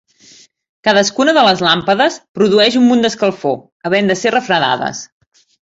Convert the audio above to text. Cadascuna de les làmpades produeix un munt d'escalfor, havent de ser refredades.